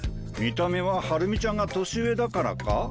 見た目はハルミちゃんが年上だからか？